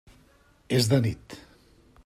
És de nit.